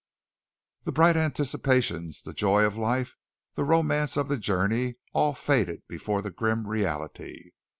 The bright anticipations, the joy of the life, the romance of the journey all faded before the grim reality.